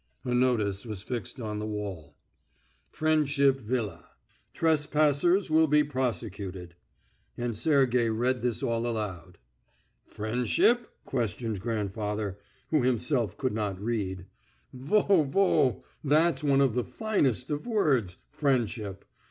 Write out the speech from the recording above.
A notice was fixed on the wall: "Friendship Villa: Trespassers will be prosecuted," and Sergey read this out aloud. "Friendship?" questioned grandfather, who himself could not read. "Vo vo! That's one of the finest of words friendship.